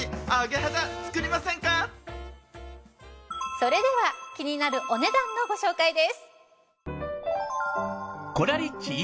それでは気になるお値段のご紹介です。